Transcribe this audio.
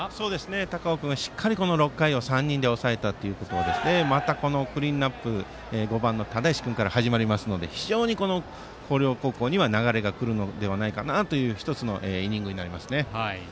高尾君、しっかり６回を３人で抑えたということでまたクリーンナップ５番の只石君から始まりますので非常に広陵高校には流れが来るのではという１つのイニングになります。